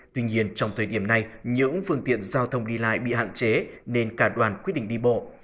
tuy nhiên trong thời điểm này những phương tiện giao thông đi lại bị hạn chế nên cả đoàn quyết định đi bộ